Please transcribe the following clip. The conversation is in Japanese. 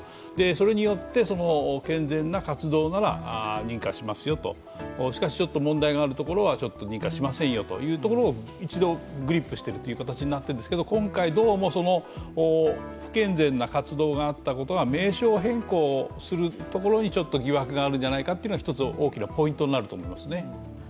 それによって、健全な活動なら認可しますよと、しかし、ちょっと問題があるところは認可しませんよというところを一度、グリップしているという形になっているんですけど今回、どうも不健全な活動があったことが名称変更するところにちょっと疑惑があるんじゃないかというのが、一つ大きなポイントになると思いますね。